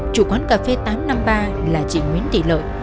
chủ quán cà phê tám trăm năm mươi ba là chị nguyễn thị lợi